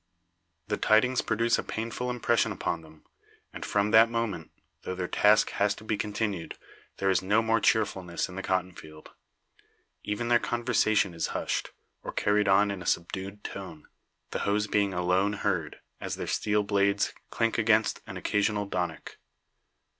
The tidings produce a painful impression upon them; and from that moment, though their task has to be continued, there is no more cheerfulness in the cotton field. Even their conversation is hushed, or carried on in a subdued tone; the hoes being alone heard, as their steel blades clink against an occasional "donick."